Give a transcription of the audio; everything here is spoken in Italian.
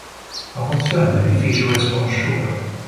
La funzione del'edificio è sconosciuta.